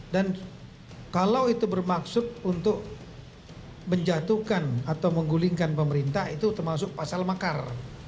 dan kalau itu bermaksud untuk menjatuhkan atau menggulingkan pemerintah itu termasuk pasal makar